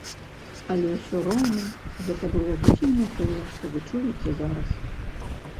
Але ўсё роўна гэта было зусім не тое, што вы чуеце зараз.